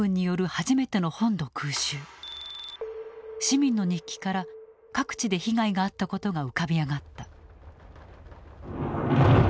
市民の日記から各地で被害があったことが浮かび上がった。